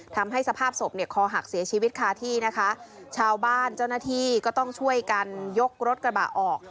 ทำให้สภาพศพเนี่ยคอหักเสียชีวิตคาที่นะคะชาวบ้านเจ้าหน้าที่ก็ต้องช่วยกันยกรถกระบะออก